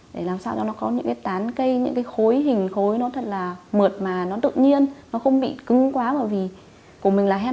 để làm sao cho nó có những cái tán cây những cái khối hình khối nó thật là mượt mà nó tự nhiên nó không bị cứng quá bởi vì của mình là hen